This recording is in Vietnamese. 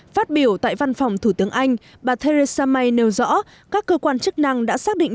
phát biểu tại văn phòng thủ tướng anh bà theresa may nêu rõ các cơ quan chức năng đã xác định